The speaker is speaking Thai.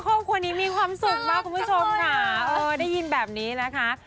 ครอบครัวนี้มีความสุขมากคุณผู้ชมค่ะเออได้ยินแบบนี้นะคะ